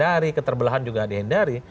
dihendari keterbelahan juga dihindari